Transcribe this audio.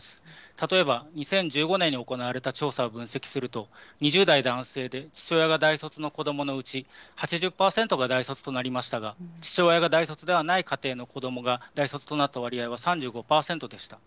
例えば２０１５年に行われた調査を分析すると、２０代男性で父親が大卒の子どものうち、８０％が大卒となりましたが、父親が大卒ではない家庭の子どもが大卒となった割合は３５％でした。